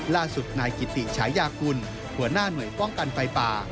ล่าสุดนายกิติฉายากุลหัวหน้าหน่วยป้องกันไฟป่า